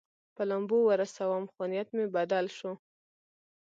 په لامبو ورسوم، خو نیت مې بدل شو.